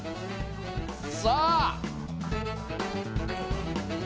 さあ！